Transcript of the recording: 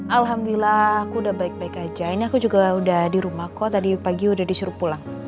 alhamdulillah aku udah baik baik aja ini aku juga udah di rumah kok tadi pagi udah disuruh pulang